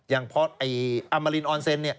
อย่างเพราะอามารินออนเซนต์เนี่ย